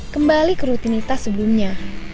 kembali ke rutinitas sebelumnya